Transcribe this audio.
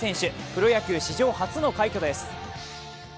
プロ野球史上初の快挙です。